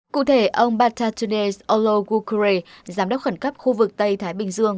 cụ thể ông batatunes ologukure giám đốc khẩn cấp khu vực tây thái bình dương